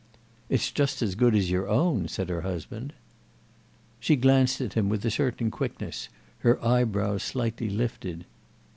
"It's just as good as your own," said her husband. She glanced at him with a certain quickness, her eyebrows slightly lifted.